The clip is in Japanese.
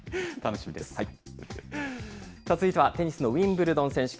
続いてはテニスのウィンブルドン選手権。